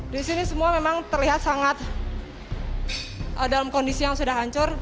di sini semua memang terlihat sangat dalam kondisi yang sudah hancur